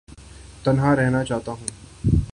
تنہا رہنا چاہتا ہوں